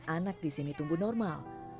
anak di sini tumbuh normal